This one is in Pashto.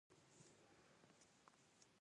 موسیقارانو له ناول څخه الهام اخیستی دی.